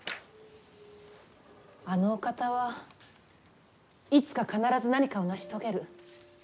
あのお方はいつか必ず何かを成し遂げる。